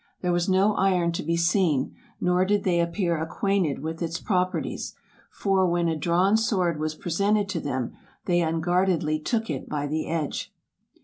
There was no iron to be seen, nor did they appear acquainted with its properties; for, when a drawn sword was presented to them, they un guardedly took it by the edge.